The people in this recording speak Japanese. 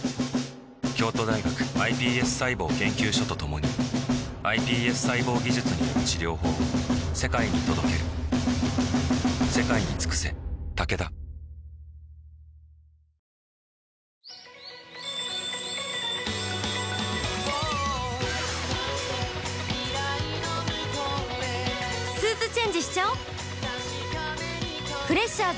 京都大学ｉＰＳ細胞研究所と共にｉＰＳ細胞技術による治療法を世界に届ける［日曜の『ジャンク』は糸井内川とコストコへ］